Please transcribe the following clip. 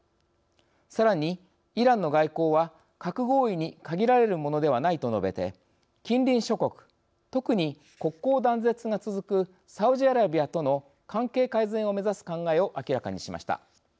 さらに「イランの外交は核合意に限られるものではない」と述べて近隣諸国特に国交断絶が続くサウジアラビアとの関係改善を目指す考えを明らかにしました。